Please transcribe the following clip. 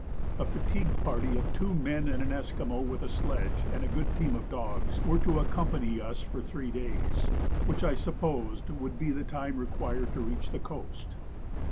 A fatigue party of two men, and an Esquimaux with a sledge and good team of dogs, were to accompany us for three days, which I supposed would be the time required to reach the coast.